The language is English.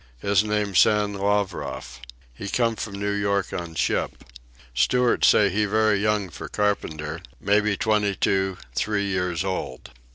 His name Sam Lavroff. He come from New York on ship. Steward say he very young for carpenter, maybe twenty two, three years old."